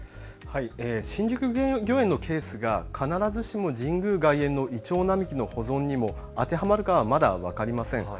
新宿御苑のケースが必ずしも神宮外苑のイチョウ並木の保存にも当てはまるかはまだ分かりません。